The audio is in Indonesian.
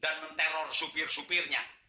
dan menteror supir supirnya